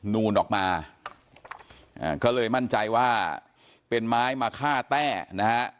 นูนออกมาก็เลยมั่นใจว่าเป็นไม้มาฆ่าแต้นะฮะ